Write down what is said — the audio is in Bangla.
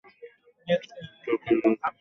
তোর খোশগল্প শুনাবি না।